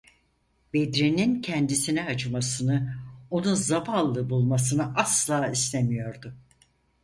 Bedri’nin kendisine acımasını, onu zavallı bulmasını asla istemiyordu.